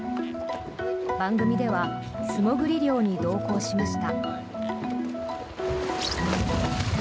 番組では素潜り漁に同行しました。